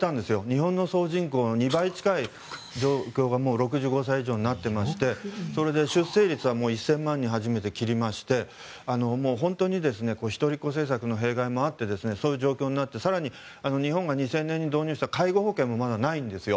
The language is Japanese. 日本の総人口の２倍近い人が６５歳以上になっていましてそれで、出生率は１０００万人を初めて切りまして本当に一人っ子政策の弊害もあってそういう状況になって更に日本が２０００年に導入した介護保険もまだないんですよ。